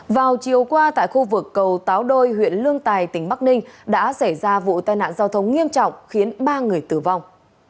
vào chiều qua tại khu vực cầu táo đôi huyện lương tài tỉnh bắc ninh đã xảy ra vụ tai nạn giao thông nghiêm trọng khiến ba người tử vong